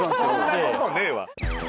そんなことねえわ。